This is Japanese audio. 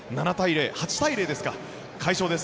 ８対０ですか、快勝です。